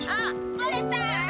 取れた！